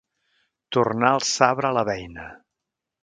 Tornar el sabre a la beina.